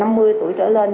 với bệnh nhân